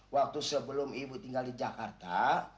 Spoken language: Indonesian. waktu sebelum ibu tinggal di jakarta